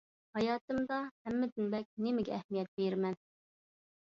ھاياتىمدا ھەممىدىن بەك نېمىگە ئەھمىيەت بېرىمەن؟